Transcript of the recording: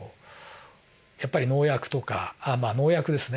やっぱり農薬とかまあ農薬ですね。